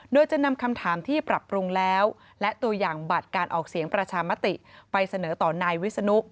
โดยจะนำคำถามที่ปรับปรุงแล้วและตัวอย่างบัตรการออกเสียงประชามติไปเสนอต่อนายวิศนุ